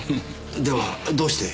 ではどうして？